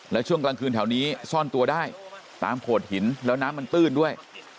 และช่วงกลางคืนแถวนี้ซ่อนตัวได้ตามโขดหินแล้วน้ำมันตื้นด้วย